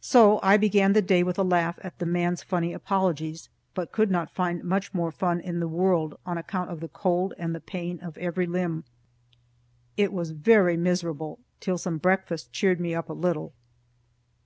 So I began the day with a laugh at the man's funny apologies, but could not find much more fun in the world on account of the cold and the pain of every limb. It was very miserable, till some breakfast cheered me up a little.